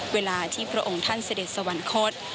เวลาที่พระองค์ท่านเสด็จสวรรคต